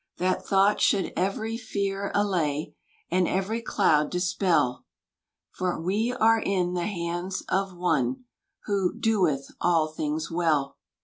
That thought should every fear allay, And every cloud dispel; For we are in the hands of One Who "doeth all things well."